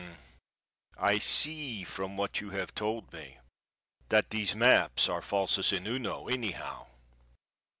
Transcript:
I see, from what you have told me, that these maps are falsus in uno anyhow.